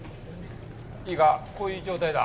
いいかこういう状態だ。